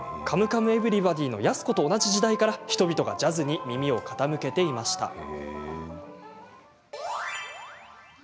「カムカムエヴリバディ」の安子と同じ時代から人々がジャズに耳を傾けていました。